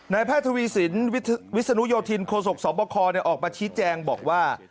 แพทย์ทวีสินวิศนุโยธินโคศกสบคออกมาชี้แจงบอกว่า